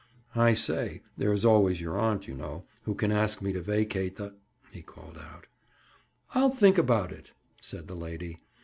"I say, there is always your aunt, you know, who can ask me to vacate the—" he called out. "I'll think about it," said the lady.